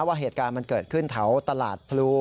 ว่าเหตุการณ์มันเกิดขึ้นแถวตลาดพลู